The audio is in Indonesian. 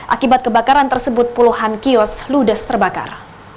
akibat kebakaran tersebut puluhan kios ludes terbakar